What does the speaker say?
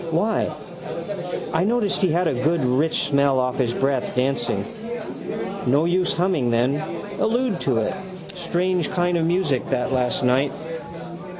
Why? I noticed he had a good rich smell off his breath dancing. No use humming then. Allude to it. Strange kind of music that last night.